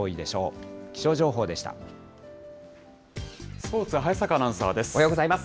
スポーツは早坂アナウンサーです。